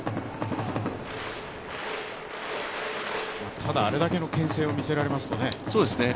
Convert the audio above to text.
ただ、あれだけのけん制を見せられますとね。